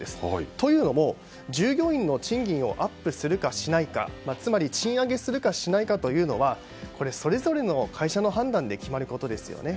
というのも従業員の賃金をアップするかしないかつまり賃上げするかしないかというのはそれぞれの会社の判断で決まることですよね。